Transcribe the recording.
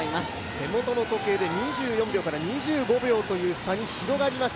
手元の時計で２４秒から２５秒という差に広がりました。